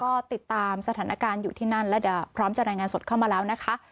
ก็ติดตามสถานการณ์อยู่ที่นั่นแล้วเดี๋ยวพร้อมจะรายงานสดเข้ามาแล้วนะคะ